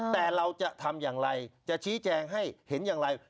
แต่เราจะทำอย่างไรจะชี้แจงให้เห็นอย่างไร